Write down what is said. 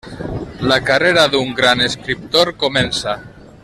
La carrera d'un gran escriptor comença.